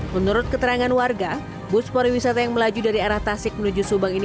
menurut keterangan warga bus pariwisata yang melaju dari arah tasik menuju subang ini